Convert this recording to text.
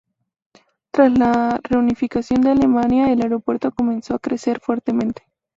Tras la reunificación de Alemania, el aeropuerto comenzó a crecer fuertemente.